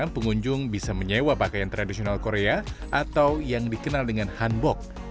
pengunjung bisa menyewa pakaian tradisional korea atau yang dikenal dengan hanbok